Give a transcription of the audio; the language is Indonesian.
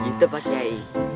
gitu pak giai